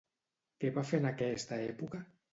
Què va fer en aquesta època?